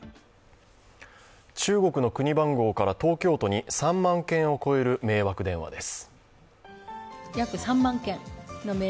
中国の国番号から東京都に３万件を超える迷惑電話です。